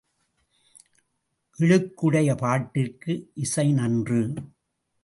இழுக்குடைய பாட்டிற்கு இசை நன்று.